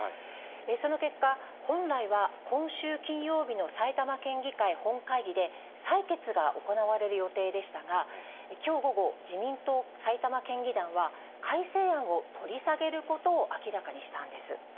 その結果、本来は今週金曜日の埼玉県議会本会議で採決が行われる予定でしたが、きょう午後、自民党埼玉県議団は、改正案を取り下げることを明らかにしたんです。